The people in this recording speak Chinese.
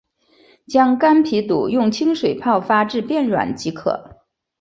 将干皮肚用清水泡发至变软即可。